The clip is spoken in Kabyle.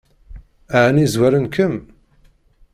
Ɛni zwaren-kem?